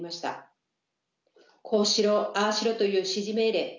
こうしろああしろという指示命令。